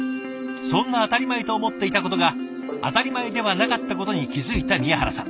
そんな当たり前と思っていたことが当たり前ではなかったことに気付いた宮原さん。